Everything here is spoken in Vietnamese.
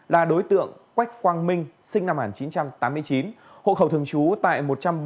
là đối tượng quách quang minh sinh năm một nghìn chín trăm tám mươi chín hộ khẩu thường trú tại một trăm bốn mươi